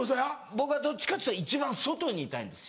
僕はどっちかっつったら一番外にいたいんです。